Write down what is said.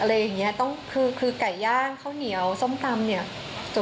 อะไรอย่างนี้คือไก่ย่างเข้าเหนียวส้มปำ